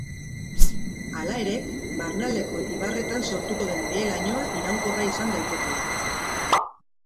Hala ere, barnealdeko ibarretan sortuko den behe-lainoa iraunkorra izan daitekela.